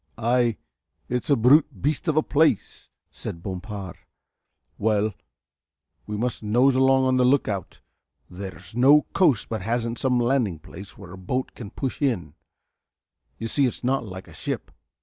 "Ay, it's a brute beast of a place," said Bompard, "well, we must nose along on the lookout. There's no coast but hasn't some landing place where a boat can push in. Y'see it's not like a ship.